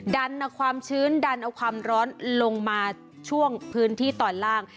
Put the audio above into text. ดันเอาความชื้นดันเอาความร้อนลงมาช่วงพื้นที่ตอนล่าง